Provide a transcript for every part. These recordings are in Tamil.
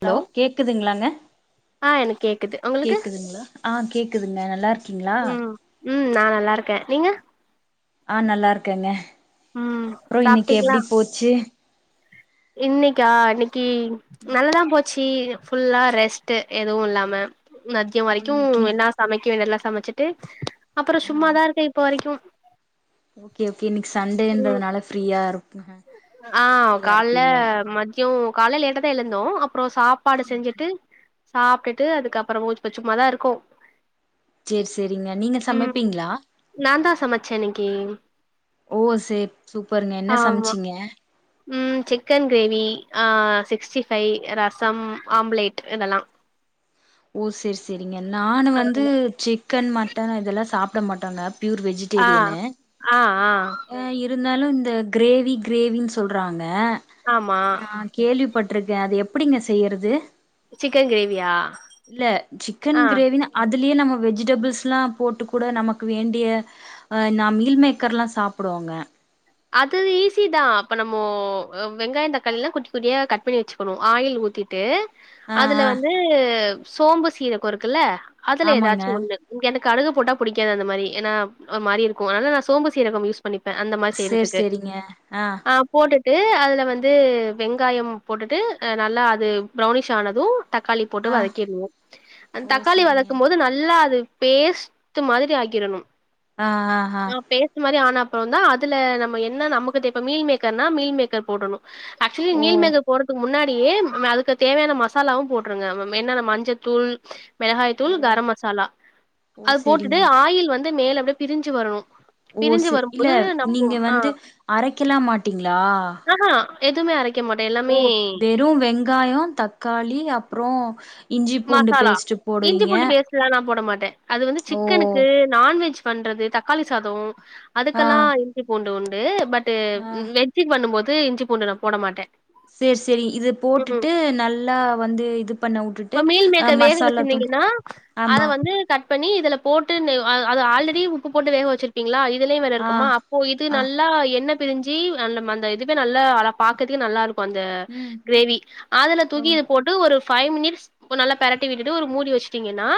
ஹலோ கேக்குதுங்களாங்க ஆ எனக்கு கேக்குது உங்களுக்கு கேட்குதுங்களா ஆ கேட்குதுங்க நல்லா இருக்கீங்க்ளா ம் ம் நான் நல்லா இருக்கே நீங்க ஆ நல்லா இருக்கேங்க ம் அப்புறோ இன்னிக்கு எப்டி போச்சு இன்னிக்கா இன்னிக்கு நல்லதா போச்சு ஃபுல்லா ரெஸ்ட்டு எதுவு இல்லாம மதிய ஓ வரைக்கு இன்னைக்கு என்னா சமைக்குவே தெர்ல சமைச்சிட்டு அப்பறோ ஆ சும்மாதா இருக்கே இப்போ வரைக்கு ஓகே ஓகே இன்னைக்கு ம் சண்டேன்றதுனால ஃப்ரீயா இருக்கு ஆ காலைல மத்யோ காலைல லேட்டதா எழுந்தோ அப்றோ சாப் சாப்பாடு ஓகே செஞ்சிட்டு சாப்டுட்டு அதுக்கு அப்பறோ இப்ப சும்மாதா இருக்கோ சேரி சேரிங்க நீங்க சமைப்பீங்களா நாந்தா சமைச்சே இன்னிக்கு ஓ சேரி சூப்பருங்க என்ன ஆமா சமைச்சிங்க ம் சிக்கன் கிரேவி ஆ சிக்ஸ்டி ஃபைவ் ரசம் ஆம்ப்லேட் இதெல்லா ஓ சேரி சேரிங்க நானு வந்து சிக்கன் மட்டன் இதெல்லா சாப்ட மாட்டங்க ப்யூர் வெஜ்ஜு ஆ ஆ ஆ ம் இருந்தாலு இந்த கிரேவி கிரேவினு சொல்றாங்க ஆமா நா கேள்விப்பட்ருக்கே அது எப்டிங்க செய்யிறது சிக்கன் கிரேவியா இல்ல சிக்கன் ஆ கிரேவினா அதுலயே நம்ம வெஜிடபிள்ஸ்லா போட்டு கூட நமக்கு வேண்டிய ஆ நா மீல் மேக்கர்லா சாப்டுவோங்க அது ஈஸிதா இப்போ நம்மோ வெங்காயோ தக்காளில்லா குட்டி குட்டியா கட் பண்ணி வச்சு குனு ஆயில் ஊத்திட்டு ஆ அதுல ஆ வந்து சோம்பு சீரகோ இருக்குல்ல அதுல ஆமாங்க ஏதாச்சு ஒன்னு இங்க அந்த கடுகு போட்டா புடிக்காது அந்த மாரி ஏனா ஒரு மாரி இருக்கு அனால நா சோம்பு சீரகோ யூஸ் பண்ணிப்ப அந்த மாரி செய்ற சேரி சேரிங்க ஆ போட்டுட்டு அதுல வந்து வெங்காயம் போட்டுட்டு அ நல்லா அது ப்ரௌனிஷ் ஆனது தக்காளி போட்டு ஆ வதக்கிட்னு அந்த ஓ தக்காளி சேரிங்க வதக்கும் போது நல்லா அது பேஸ்ட்டு மாதிரி ஆக்கிறணு ஆ ஆ ஹா பேஸ்டு மாரி ஆன அப்றோந்தா அதுல நம்ம என்ன நமக்கு தே இப்ப மீல் மேக்கர்னா மீல் மேக்கர் போடணு ஆக்சுலி ஓ மீல்மேக்க போட்றதுக்கு முன்னாடியே அதுக்கு தேவயான மசாலாவு போட்ருங்க ம் என்னன்ன மஞ்சத்தூள் மெளகாய் ஓ தூள் கரம் மசாலா ஓ அது சேரிங்க போட்டுட்டு ஆயில் வந்து மேல அப்டிய பிரிஞ்சு வரணு ஓ பிரிஞ்சு சே இல்ல வரும்போது நம்போ நீங்க ஆ வந்து அரைக்கலா மாட்டீங்களா ஆ ஹா எதுமே அரைக் ஓ வெறு வெங்காயோ தக்காளி அப்றோ இஞ்சி பூண்டு மசாலா பேஸ்ட்டு இஞ்சி போடுவீங்க பூண்டு பேஸ்ட்ல்லா நா போட மாட்ட அது வந்து ஓ சிக்கனுக்கு நான்வெஜ் பண்றது தக்காளி சாதோ ஆ அதுக்கெல்லா இஞ்சி பூண்டு உண்டு பட் ட்டு ஆ வெஜ்ஜு பண்ணு போது இஞ்சி பூண்டு நா போட மாட்டே செரி செரி இது போட்டுட்டு நல்லா வந்து இது பண்ண உட்டு இப்ப மீல் மேக்கர் வேக வெச்சிருந்தீங்ன்னா அத ஆமா வந்து கட் பண்ணி இதுல போட்டுனு அ அத ஆல்ரெடி உப்பு போட்டு வேக வச்சு பீங்ளா இதுலயு வேற ஆ இருக்குமா அப்போ இது ஆ நல்லா எண்ண பிரிஞ்சி அந்த மந்த இதுவே நல்லா அல பாக்கதுக்கு நல்லாருக்கு அந்த ம் க்ரேவி அதுல ஓ தூக்கி இது போட்டு ஒரு ஃபைவ் மினிட்ஸ் இப்ப நல்லா பெரட்டி விட்டுட்டு ஒரு மூடி வெச்சுட்டீங்கன்னா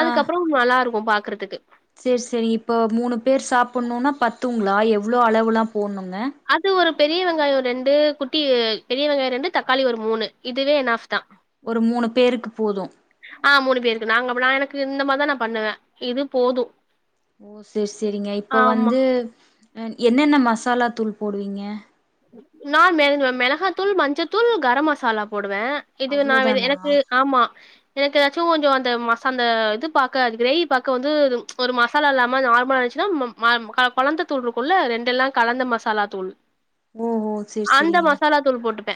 அதுக்கப்றோ நல்லா இருக்கு பாக்கறதுக்கு செரி செரி இப்போ மூணு பேர் சாப்புட்ணுன்னா பத்துங்ளா எவ்ளோ அளவுலா போட்ணுங்க அது ஒரு பெரிய வெங்காயோ ரெண்டு குட்டி பெரிய வெங்காயோ ரெண்டு தக்காளி ஒரு மூணு இதுவே எனாஃப் தா ஒரு மூணு பேருக்கு போது ஆ மூணு பேருக்கு நாங்க அப்னா நா எனக்கு இந்த மார்தா நா பண்ணுவே இது போது ஓ செர் செரிங்க இப்ப வந்து என்னென்ன மசாலா தூள் போடுவீங்க நா மெள மெளகாத்தூள் மஞ்சத்தூள் கரம் மசாலா போடுவே இது நா வெ அவ்ளோதானா எனக்கு ஆமா எனக்கு அச்சும் கொஞ்சோ அந்த மசாந்த அந்த இது பாக்க அது கிரேவி பாக்க வந்து ஒரு மசாலா இல்லாம நார்மலா இருந்சின்னா மம் ஆம்மா க கொழந்த தூள் இருக்குல்ல ரெண்டல்லா கலந்த மசாலா தூள் ஓ ஓ சேரி அந்த சேரிங்க மசாலா தூள் போட்டுட்ட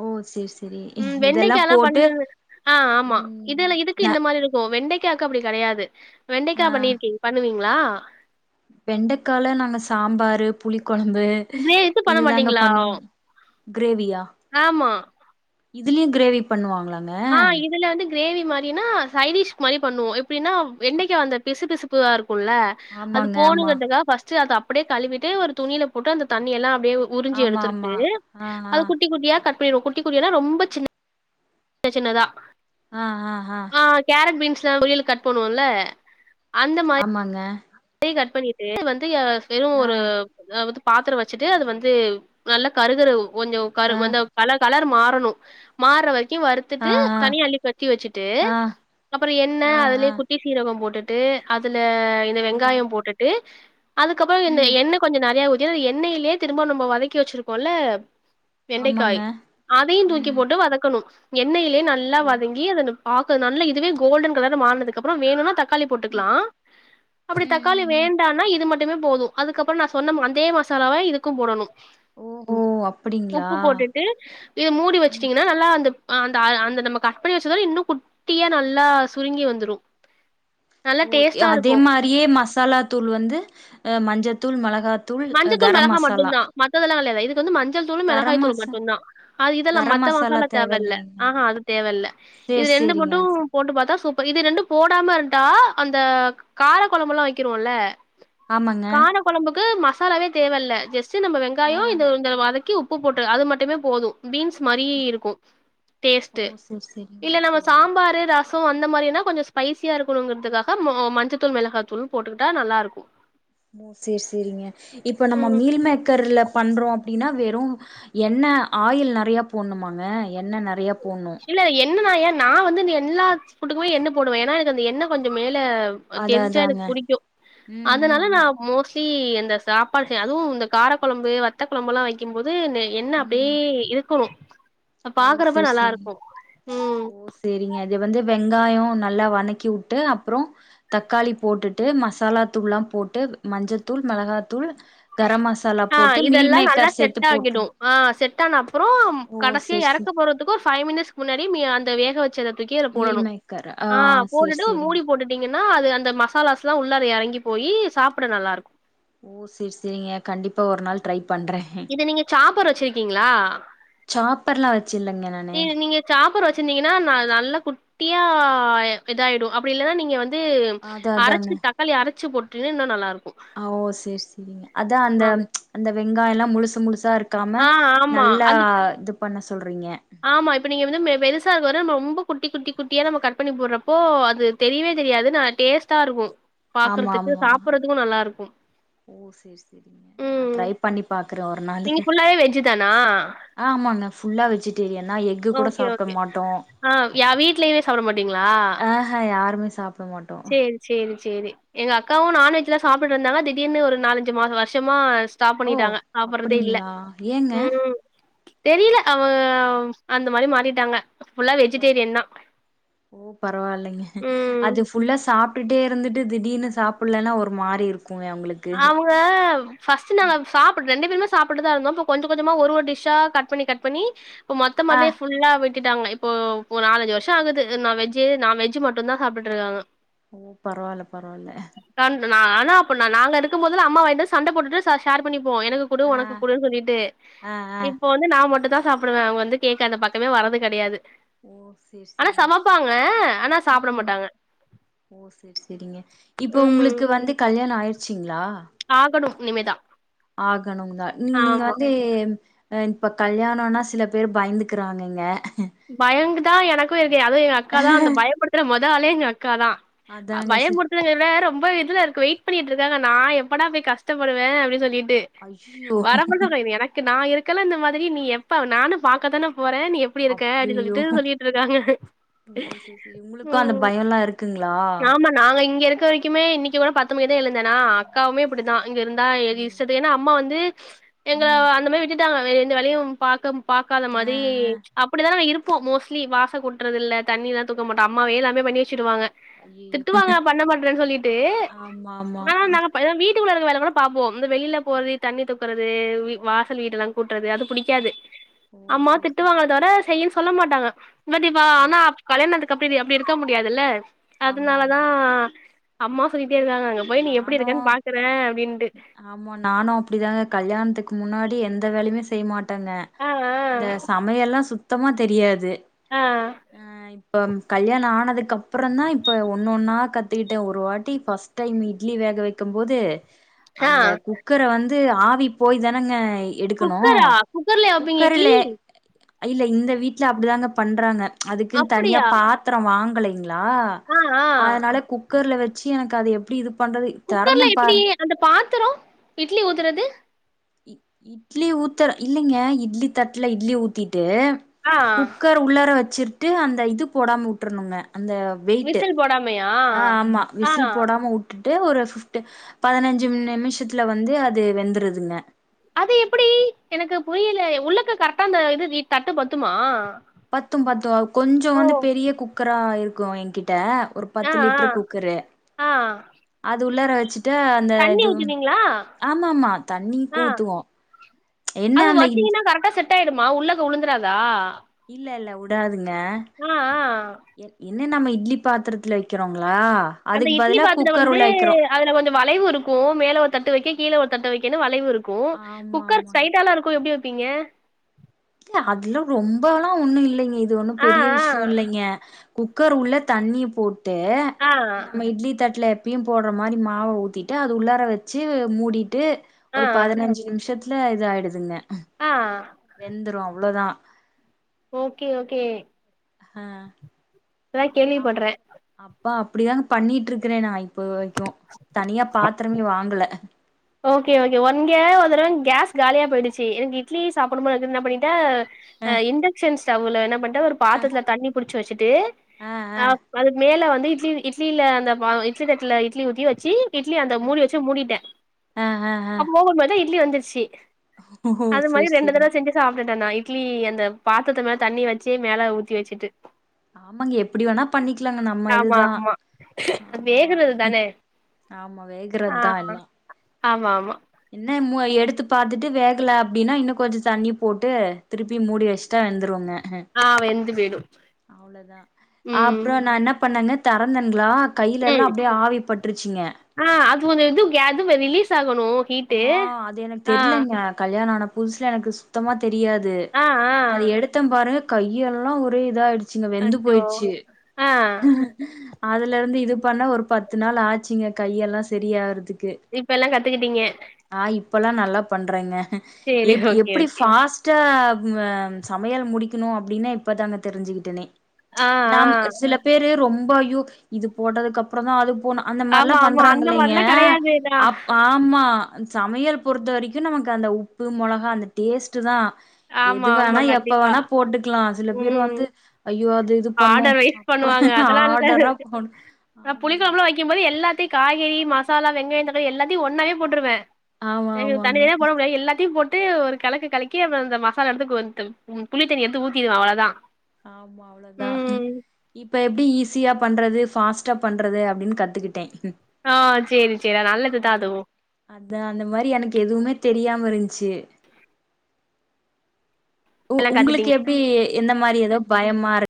ஓ சேரி சேரி ம் இதெல்லா வெண்டக்கால்லா போட்டு பண்ண ஆ ஆமா ம் இதுல இது க்கு ந இந்த மாரி இருக்கு வெண்டக்காக்கு அப்டி கெடையாது வெண்டக்கா ஆ பண்ணிருக்கீங் பண்ணுவீங்ளா வெண்டக்கால நாங்க சாம்பாரு புளி கொழம்பு கிரே இது பண்ண இதுதாங்க மாட்டீங்களா? பண்ணுவோ க்ரேவியா ஆமா. இதுலயு க்ரேவி பண்ணுவாங்ளாங்க ஆ இதுல வந்து க்ரேவி மாரினா சைடிஷ் மாரி பண்ணுவோ எப்டினா வெண்டக்கா அந்த பிசுபிசுப்புவா இருக்குல்ல அது ஆமாங்க ஆமா போணுங்கறதுக்காக பர்ஸ்ட் அத அப்டியே கழுவிட்டு ஒரு துணில போட்டு அந்த தண்ணியெல்லா அப்டியே உறிஞ்சு ஆமா எடுத்துற்ட்டு ஆமா அது குட்டி குட்டியா கட் பண்ணிறுவோ குட்டி குட்டியானா ரொம்ப சின்ன சின்ன சின்னதா ஆ ஆ ஹா ஆ கேரட் பீன்ஸ்லா பொறியல்க்கு கட் பண்வோல அந்த ஆ ஆமாங்க யி கட் பண்ணிட்டு வந்து வெறு ஆ ஒரு அதாவது பாத்ரோ வச்சுட்டு அது வந்து நல்லா கருகரு கொஞ்சோ கரு ஆ அந்த பல கலர் மாறணு மாற வரைக்கு வறுத் ஆ துட்டு ஆ தனியள்ளி கொத்தி வச்சுட்டு ஆ அப்புறோ எண்ண ஆ அதுலே குத் டி ஆ சீரகம் போட்டுட்டு அதுல இந்த ஆ வெங்காயோ போட்டுட்டு அதுக்கப்றோ இந்த ம் எண்ண கொஞ்சோ நெறையா ஊத்தி அந்த எண்ணையிலே திரும்போ நம்மோ வதக்கி வச்சிருக்கோல்ல வெண்டைக்காய் ஆமாங்க அதையு தூக்கி ம் போட்டு வதக்கணு எண்ணெயிலயே நல்லா ஓ வதங்கி அதனு ஆக்குது நல்லா இதுவே கோல்டன் கலர்ல மாறனதுக்கு அப்றோ வேணுனா தக்காளி ம் போட்டுக்லா அப்டி ம் தக்காளி ம் ம் வேண்டானா இது மட்டுமே போது அதுக்கப்றோ நா சொன்ன அந்தே மசாலாவ இதுக்கும் போடணு ஓ அப்டிங்களா உப்பு போட்டுட்டு இது மூடி வச்ட்டீங்கன்னா லா அந்த அந்த அந்த நம்ம கட் பன்னி வச்சதவிட இன்னு குட்டியா நல்லா சுருங்கி வந்துரு நல்லா ஓ எ டேஸ்ட்டா அதே இருக்கு மாரியே மசாலா தூள் வந்து அ மஞ்சத்தூள் மெளகாத் தூள் கரம் மசாலா மித்ததெல்லா இல்ல இதுக்கு வந்து மஞ்சள் தூளு கரம் மெளகாய்த் தூளு மசா மட்டுந்தா அது இதெல்லா மத்த மசாலா தேவை இல்ல ஆஹா அது தேவ இல்ல செர் செரி மட்டு போட்டு பாத்தா சூப்பர் இது ரெண்டு போடாம் இருண்டா அந்த கார குழம்புல்லா வைக்கிறோல்ல ஆமாங்க மீன் கொழம்புக்கு மசாலாவே தேவையில்ல ஜஸ்ட் நம்ம ஆ வெங்காயோ இந்த இந்த வதக்கி உப் உப்பு போட்டு அது மட்டுமே போது பீன்ஸ் மாரி இருக்கு டேஸ்ட்டு ஓ சேரி சேரிங்க இல்ல நம்ம சேரிங்க சாம்பரு ரஸ் ஸோ அந்த மாரினா கொஞ்சோ ஸ்பைஸியா இருக்கனுங்கிறதுக்காக மொ மஞ்சத்தூள் மெளகாத்தூள் போட்டுக்கிட்டா நல்லா இருக்கு ஓ சரி சரிங்க இப்ப நம்ம ம் மீல் மேக்கர்ல பண்றோ அப்டின்னா வெறு எண்ண ஆயில் நெறையா போட்ணுமாங்க எண்ண நெறயா போட்ணு இல்ல என்ன நா ஏயா நா வந்து எல்லா ஃபுட்டுக்குமே எண்ண போடுவே ஏனா எனக்கு அந்த எண்ண கொஞ்சோ மேல அ அத தெரிஞ்சா எனக்கு அதாங்க பிடிக்கு ம் அதனால ம் நா மோஸ்ட் தி இந்த சாப்பாடு செய் அதுவு இந்த கார கொழம்பு வத்த கொழம்புலா வைக்கும்போது நெ எண்ண ம் அப்டியே ம் இருக்கணு பாக்றப்ப நல்லா இருக் செரிங்க இது வந்து வெங்காயோ நல்லா வணக்கி வுட்டு அப்றோ தக்காளி போட்டுட்டு மசாலாத்தூள்லா போட்டு மஞ்சத்தூள் மெளகாத்தூள் கரம் மசாலா ஆ போட்டு மீல் இதெல்லா நல்லா மேக்கர் சேத்து செட் ஆகிடு போட்ருனு ஆ செட் ஆன அப்புறோம் ஓ கடைசி சேரி சேரி எறக்கப் போறதுக்கு ஒரு ஃபைவ் மினிட்ஸ்கு முன்னாடி மீ அந்த வேக வச்சத தூக்கி அதுல மீல் போடணு மேக்கர் ஆ சேரி போட்டுட்டு சேரிங்க மூடி போட்டுட் டிங்கன்னா அது அந்த மசாலாஸ்லா உள்ளார எறங்கி போயி சாப்ட நல்லா இருக் செரி செரிங்க கண்டிப்பா ஒரு நாள் ட்ரை பண்றே இத நீங்க சாப்பர் வச்ருக்கீங்ளா சாப்பர்லா வச்சில்லங்க நானு நீ நீங்க சாப்பர் வச்சிருந்தீங்கன்னா ந நல்லா குட்டியா இதாயிடு அப்டி இல்லனா நீங்க வந் வந்து அதா அதாங்க அரச்சு தக்காளி அரச்சு போட்டீன்னா இன்னு நல்லா இருக்கு ஆ வோ செரி செரிங்க அதா அந்த ஆமா அந்த வெங்காயோல்லா முழுசு முழுசா இருக் காம ஆ ஆமா நல்லா அந்த இது பண்ண சொல்றீங்க ஆமா இப்ப நீங்க வந்து மெ பெருசாக வர ரொம்ப குட்டி குட்டி குட்டியா நம்ம கட் பண்ணி போட்றப்போ அது தெரியவே தெரியாது நா டேஸ்ட்டா இருக்கு ஆமா பாக்குறதுக்கு ஆமா சாப்பறதுக்கு நல்லா இருக்கும் ஓ சேரி சேரிங்க நா ம் ட்ரை பண்ணி பாக்கறே ஒரு நா நீங்க ஃபுல்லாவே வெஜ்ஜு தானா ஆமாங் நா ஃபுல்லா வெஜிடேரியன் தான் எக் ஓகே ஓகே ஆ யா வீட்லயுமே சாப்பிட மாட்டீங்களா ஹ யாருமே சாப்பிட மாட்டோ சேரி சேரி சேரி எங்க அக்காவு நான்வெஜ்லா சாப்பிட்ருந்தாங்கா திடீர்னு ஒரு நாலஞ்சு மாஸ் வர்ஷமா ஓ ஸ்ட்டாப்பண்ணிட்டாங்க சாப்பறதே இல்ல அப்டிங்களா ஏங்க ம் தெரியல அவ அந்த மாரி மாறிட்டாங்க ஃபுல்லா வெஜிடேரியன் தா. [inaudible] ஓ பரவாயில்லைங்க ம் அது ஃபுல்லா சாப்ட்டுட்டே இருந்துட்டு திடீர்னு சாப்பலன்னா ஒரு மாரி இருக்குமே அவுங்களுக்கு அவுங்க ஃபஸ்ட்டு நாங்க சாப்ட்டு ரெண்டு பேருமே சாப்பட்டுதா இருந்தோ கொஞ்ச கொஞ்சமா ஒரு ஒரு டிஷ்ஷா கட் பண்ணி கட் பண்ணி இப்ப ஆ மொத்தமாவவே ஃபுல்லா விட்டுடாங்க இப்போ போ நாலாஞ்சு வர்ஷோ ஆகுது நா வெஜ்ஜே நா வெஜ்ஜு மட்டுந் தா சாப்டுட்ருக்காங்க ஓ பரவால்ல பரவால்ல [unintelligible] நா ஆனா அப்ப நா நாங்க எடுக்கும்போதுலா அம்மா வந்து சண்ட போட்டுட்டு ச ஷேர் பண்ணிப்போ எனக்கு குடு ஆ உனக்கு குடுன் சொல்லிட்டு ஆ ஆ இப்ப வந்து நா மட்டு தா சாப்டுவே அவுங்க வந்து கேக்க அந்த பக்கமே வராது கெடையாது ஓ சேர் ஆனா சமப்பாங்க ஆனா சாப்ட ம் மாட்டாங்க ஓ சேர் செரிங்க இப்ப ம் உங்களுக்கு வந்து கல்யாணோ ஆயி ச்சிங்ளா ஆகணு இனிமே தா ஆகணும் தா நீ நீங்க வந்து அ இப்போ கல்யாணோனா சில பேர் பயந்துக்கிறாங்கங்க பயங்கு தா எனக்கு இருக்கு அது எங்க அக்கா தா அந்த பயப்படுத்துற மொத ஆளே எங்க அக்கா தா அதாங்க சி பயமுடுத் தில ரொம்ப இதில இருக்கு வெயிட் பண்ணிட்ருக்காங்க நா எப்படா போய் கஷ்டப்படுவே அப்டி சொல்லிட்டு ஐயோ வர மாட்டக்கா இனி எனக்கு நா இருக்கல இந்த மாதிரி நீ எப்ப நானு பாக்கதான போறே நீ எப் க அப்டி அப்டியோ சொல்லிட்டு சொல்லிட்ருக்காங்க ம் க்குங்ளா ஆமா நாங்க இங்க இருக்க வரைக்குமே இன்னைக்கு கூட பத்து மணிக்குதா எழுந்தேனா அக்காவுமே இப்டிதா அங்கிருந்தா எது ம் இஷ்டத்து ஏனா அம்மா வந்து எங்கள ம் அந்த மாரி விட்டுட்டாங்க எந்த வேலயு பாக்க பாக்காத ஆ மாத்ரி ஆ அப்படிதா நம்ம இருப்போ மோஸ்ட்லி வாச கூட்றதில்ல தண்ணில்லா தூக்க மாட்டோ அம்மாவே எல்லாமே பண்ணி வெச்சுடுவாங்க ஐயயோ திட்டுவாங்க பண்ண மாட்டுறே சொல்லிட்டு ஆமா ஆமா ஆனா நாங்க ப வீட்டுக்குள்ள இருக்க வேல கூட பாப்போ இந்த வெளில போறது தண்ணி தூக்குறது வீ வாசல் வீடுல்லா கூட்றது அது புடிக்காது ஓ அம்மா செரி செரி திட்டுவாங்க தவர செய்யின்னு சொல்ல மாட்டாங்க [unintelligible] ஓ ஆனா கல்யாணத்து கப்பிடி அப்டி இருக்க முடியாதுல்ல ஆமா அதனால தா ஆமாங்க அம்மா சொல்லிட்டே இருக்காங்கங்க போய் நீ எப்டி நானு இருக்கன்னு பாக்குறே அப்டின்ட்டு ஆமா நானு அப்டிதாங்க கல்யாணத்துக்கு முன்னாடி எந்த வேலையுமே செய்ய மாட்டங்க ஆ இந்த ஆ சமையல்லா சுத்தமா தெரியாது ஆ அ இப்பம் கல்யாண ஆனதுக்கப் பறந்தா இப்போ ஒன்னொன்னா கத்துக்கிட்ட ஒரு வாட்டி ஃபஸ்ட் டைம் இட்லி வேக வெக்கம்போது ஆ அந்த குக் கர வந்து ஆவி போய் தானங்க எடுக்கணு குக்கரா குக்கர்லயா வப்பீங்க இட்லி குக்கருலே இல்ல இந்த வீட்ல அப்டிதாங்க பண்றாங்க அதுக்குன் தனியா அப்டியா பாத்தரோ வாங்கலைங்ளா ஆ ஆ அதனால குக்கர்ல வச்சி எனக் அது எப்டி இது பண்றது குக்கர்ல தெறந்த எப்டி பாரு அந்த பாத்தரோ இட்லி ஊத்தறது இ இட்லி ஊத்தற இல்லீங்க இட்லி தட்டுல இட்லி ஊத்தீட்டு ஆ குக்கர் உள்ளாற வச்சிட்டு அந்த இது போடாம உட்ரணுங்க அந்த வெயிட்டு விசில் போடாம ஆ ஆமா விசில் போடாம உட் டுட்டு ஒரு ஃபிஃப்ட்டு பதனஞ்சு நிமிஷத்துல வந்து அது வெந்துருதுங்க அது எப்பிடி எனக்கு புரியில உள்ளக்கு கரெக்ட்டா அந்த இது ரி தட்டு பத்துமா பத்தும் பத்தும் அ கொஞ்சோ ஓ வந்து பெரிய குக்கரா இருக்கு எங்கிட்ட ஒரு ஆ பத்து ஆ லிட்ரு குக்கரு ஆ அது உள்ளாற வச்சிட்டு அந்த தண்ணி இது ஊத்துவீங்களா ஆமா ஆமா தண்ணீ ஆ ஊத்துவோ என்ன அது அந்த இட் வச்சீங்கன்னா கரெக்ட்டா செட்டாய்டுமா உள்ளக்க உழுந்துராதா இல்ல இல்ல உடாதுங்க ஆ ஆ எ என்ன நம்ம இட்லி பாத்தரத்துல வெக்கறோங்ளா அந்த இட்லி பாத்தரோ வந்து அதுல கொஞ்ச வளைவுருக்கு மேல ஒரு தட்டு வைக்க கீழ ஒரு தட்டு வைக்கன்னு வளைவுருக் கு ஆமா குக்கர் ஆமாங்க ஸ்டைட்டால்ல இருக்கு எப்டி வெப்பீங்க இல்ல அதுல ரொம்போல்லா ஒன்னு இல்லைங்க இது ஒன்னு ஆ பெரிய ஆ விஷ்யோ இல்லைங்க குக்கர் உள்ள தண்ணி போட்டு ஆ நம்ம இட்லி தட்ல எப்பையு போட்ற மாரி மாவ ஊத்தீட்டு அது உள்ளார வச்சி மூடிட்டு ஆ ஒரு பதனஞ்சு நிம்ஷத் துல அது ஆய்டுதுங்க ஆ வெந்துரு அவ்ளோதா ஓகே ஓகே அ இப்ப தா கேள்விப்பட்றே அப்பா அப்பிடிதாங்க பண்ணிட்ருக்கறே நா இப்ப வரைக்கு தனியா பாத்தரமே வாங்கல ஓகே ஓகே ஒ இங்க ஒரு தடவ கேஸ் காலியா போய்டுச்சி எனக்கு இட்லி சாப்பட்ணு போலருக்குன் என்னா பண்ணிட்டே ஆ அ இண்டக்ஷன் ஸ்டவ்வுல என்ன பண் ட்டே ஒரே ஒரு ஆ பாத்தர்த்துல தண்ணி புடிச்சி வச்சிட்டு ஆ ஆ அப் அதுக் மேல வந்து இட்லி இட்லில அந்த பா இட்லி தட்டுல இட்லி ஊத்தி வச்சி இட்லி அந்த மூடி வச்சி மூடிட்டே ஆ ஆ அ பொக வரும்போது இட்லி வெந்துருச்சி ஓஹோ அது மாரி சேரி ரெண்டு சேரி தடவ் செஞ்சி சாப்ட்டுட்டே நா இட்லி அந்த பாத்தர்த்து மேல தண்ணி வச்சி மேல ஊத்தி வச்சிட்டு ஆமாங்க எப்டி வேணா பண்ணிக்கலாங்க நம்ம ஆமா இதுதா ஆமா ஆமா வேகுறது தானே ஆமா வேகறத் தா எல்லா ஆமாமா என்ன மு எடுத்து பாத்துட்டு வேகல அப்டின்னா இன்னு கொஞ்ச தண்ணி போட்டு திருப்பி மூடி வஸ் ட்டா வெந்துருங்க ஆ வெந்து போயிடு அவ்ளதா ம் அப்றோ நா என்னா பண்ணங்க தெறந்தன்களா கைலெல்லா ம் அப்டியே ஆவி பட்ருச்சிங்க ஆ அது ஒரு இது க அது ரிலீஸ் ஆகணு ஹீட்டு ஆ அது எனக் ஆ தெர்லங்க கல்யாண ஆன புதுசுல எனக்கு சுத்தமா தெரியாது ஆ ஆ அது எடுத்த பாருங்க கையெல்லா ஒரே இதாயிடு ச்சிங்க வெந்து அச்சோ போய்ட்ச்சு ஆ அதுல இருந்து இது பண்ண ஒரு பத்து நாள் ஆச்சிங்க கையெல்லா செரியாறதுக்கு இப்ப எல்லா கத்துக்கிட்டீங்க ஆ இப்பல்லா நல்லா பண்றங்க சேரி எப் ஓகே எப்டி ஓகே ஃபாஸ் ட்டா சமையல் முடிக்கணு அப்டின்னா இப்பதாங்க தெரிஞ்சுக்கிட்டனே ஆ ஆ நம் சில பேரு ரொம்ப ஐயோ இது போட்டதுக்கப்புற தா அது போனு அந்த மார்லா ஆமா ஆமா பண்றாங் அந்த இல்லைங்க மாரிலா கெடையாதுதா அப் ஆமா சமையல் பொறுத்த வரைக்கு நமக்கு அந்த உப்பு மொளகா அந்த டேஸ்ட்டு தா எது ஆமா ஆமா வேணா எப்ப கண்டிப்பா வேணா போட்டுக்லா சில பேர் ம் வந்து ஐயோ அது இது பண்ணு ஆர்டர் வைஸ் பண்ணுவாங்க ஆமா அதெல்லா வக்கிகும்போது எல்லாத்தி காய்கறி மசாலா வெங்காய தக்காளி எல்லாத்தி ஒன்னாவே போட்டுருவே ஆமா எனக் ஆமாங்க தனியாவே போட புடிக்காது எல்லாத்தியு போட்டு ஒரு கலக்கு கலக்கி அந்த மசாலா எடுத்து புளி தண்ணி எடுத்து ஊத்திடுவே அவ்ளோதா ஆமா அவ்ளோதா ம் இப்ப எப்டி ஈஸியா பண்றது ஃபாஸ்டா பண்றது அப்டின் கத்துக்கிட்டே ஆ செரி செரி நல்லது தா அந்த அதுவு மாரி அதா அந்த மாரி எனக்கு எதுமே தெரியாம இருன்ச்சி உ எல்லா கத்துட்டீங்க உங்களுக்கு எப்டி இந்த மாரி ஏதோ பயமா இரு